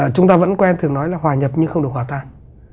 chúng ta vẫn quen thường nói là hòa nhập nhưng không được hòa tan